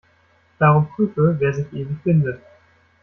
Darum prüfe, wer sich ewig bindet.